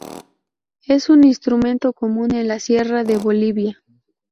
Es un instrumento común en la sierra de Bolivia.